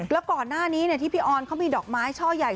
แล้วก่อนหน้านี้ที่พี่ออนเขามีดอกไม้ช่อใหญ่